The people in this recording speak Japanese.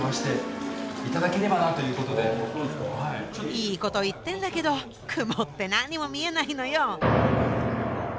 いいこと言ってんだけど曇って何にも見えないのよ。